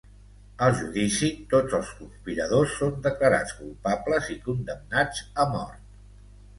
Al judici, tots els conspiradors són declarats culpables i condemnats a mort.